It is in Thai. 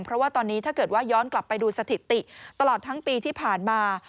เพราะว่าตอนนี้ถ้าเกิดว่าย้อนกลับไปดูสถิติตลอดทั้งปีที่ผ่านมา